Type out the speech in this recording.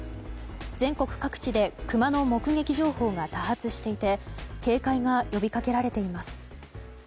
全国各地でクマの目撃情報が多発していて警戒が呼びかけられています。